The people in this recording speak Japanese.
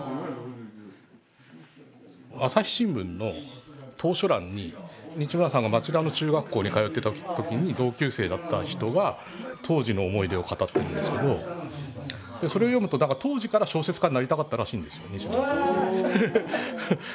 朝日新聞の投書欄に西村さんが町田の中学校に通ってた時に同級生だった人が当時の思い出を語ってるんですけどそれを読むと当時から小説家になりたかったらしいんですよ西村さん。